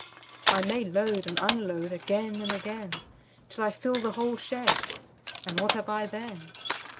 I may load and unload Again and again Till I fill the whole shed, And what have I then?